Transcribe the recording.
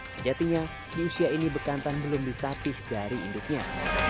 sejatinya di usia ini bekantan belum disatih dari induknya